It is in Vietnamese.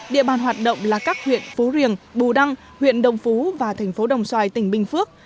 địa bàn hoạt động là các huyện phú riềng bù đăng huyện đồng phú và thành phố đồng xoài tỉnh bình phước